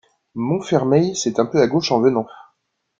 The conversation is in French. Montfermeil, c'est un peu à gauche en venant.